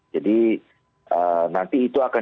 jadi nanti itu akan